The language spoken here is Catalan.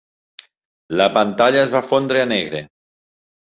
La pantalla es va fondre a negre.